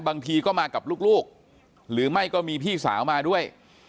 บางทีก็มากับลูกหรือไม่ก็มีพี่สาวมาด้วย